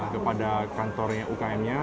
kepada kantor ukm nya